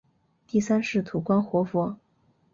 第三世土观活佛。